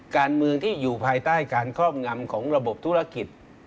การเมืองที่อยู่ภายใต้การครอบงำของระบบธุรกิจ